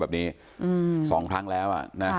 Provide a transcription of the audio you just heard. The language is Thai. แบบนี้สองครั้งแล้ว